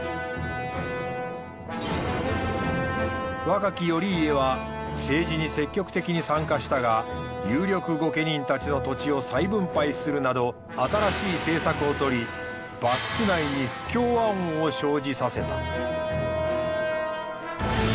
若き頼家は政治に積極的に参加したが有力御家人たちの土地を再分配するなど新しい政策をとり幕府内に不協和音を生じさせた。